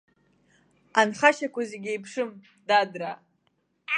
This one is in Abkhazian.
Анхашьақәа зегьы еиԥшым, дадраа!